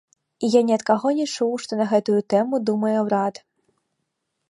І я ні ад каго не чуў, што на гэтую тэму думае ўрад.